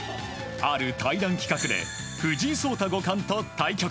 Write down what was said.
ある対談企画で藤井聡太五冠と対局。